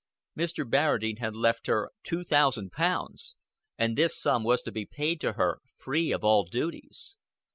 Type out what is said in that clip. Mr. Barradine had left her two thousand pounds, and this sum was to be paid to her free of all duties.